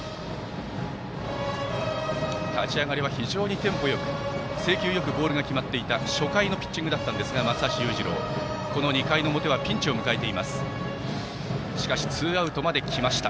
立ち上がりは非常にテンポよく制球よくボールが決まっていた初回のピッチングだったんですが松橋裕次郎、この２回の表はピンチを迎えています。